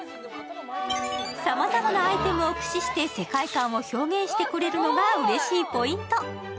さまざまなアイテムを駆使して世界観を表現してくれるのがうれしいポイント。